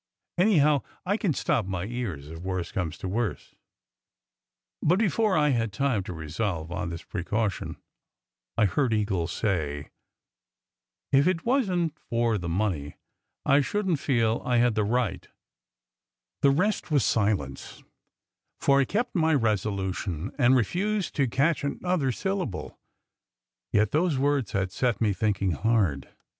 Anyhow, I can stop my ears, if worst comes to worst." But before I had time to resolve on this precaution, I heard Eagle say, "If it wasn t for the money, I shouldn t feel I had the right The rest was silence, for I kept my resolution and refused to catch another syllable; yet those words had set me thinking hard.